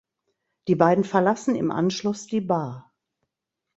Die beiden verlassen im Anschluss die Bar.